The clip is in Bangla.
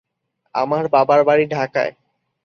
আমার বাবার বাড়ি ঢাকায়।